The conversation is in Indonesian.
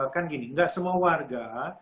kan gini nggak semua warga